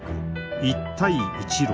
一帯一路。